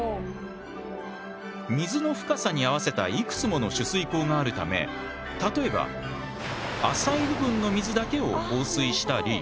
水の深さに合わせたいくつもの取水口があるため例えば浅い部分の水だけを放水したり。